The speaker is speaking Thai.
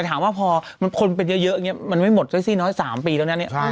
แต่ถามว่าพอมันคนเป็นเยอะเยอะอย่างเงี้ยมันไม่หมดด้วยสิน้อยสามปีแล้วเนี้ยใช่